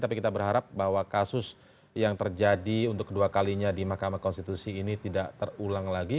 tapi kita berharap bahwa kasus yang terjadi untuk kedua kalinya di mahkamah konstitusi ini tidak terulang lagi